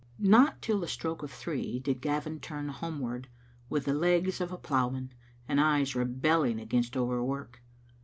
Not till the stroke of three did Gavin turn homeward, with the legs of a ploughman, and eyes rebelling against over work.